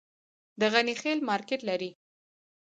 د غني خیل مارکیټ لري